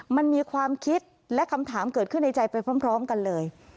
มันมีความคิดและคำถามเกิดขึ้นในใจไปพร้อมกันเลย